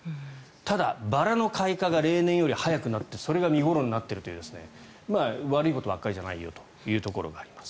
ただ、バラの開花が例年より早くなってそれが見頃になっているという悪いことばかりじゃないよというところがあります。